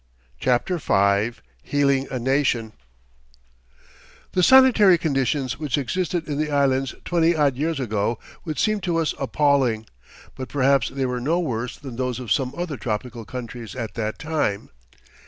CHAPTER V HEALING A NATION The sanitary conditions which existed in the Islands twenty odd years ago would seem to us appalling, but perhaps they were no worse than those of some other tropical countries at that time.